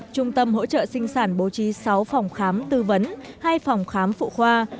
trung tâm hỗ trợ sinh sản bố trí sáu phòng khám tư vấn hai phòng khám phụ khoa